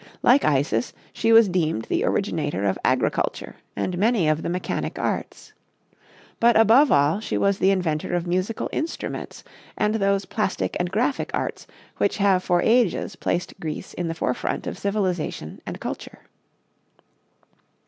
Like Isis, she was deemed the originator of agriculture and many of the mechanic arts. But, above all, she was the inventor of musical instruments and those plastic and graphic arts which have for ages placed Greece in the forefront of civilization and culture.